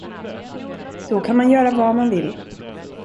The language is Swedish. Då kan man göra vad man vill.